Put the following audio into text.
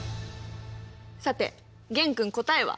さて玄君答えは？